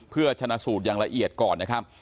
เพื่อชนะสูตรอย่างละเอียดก่อนนะครับ